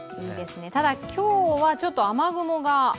ただ今日はちょっと雨雲が。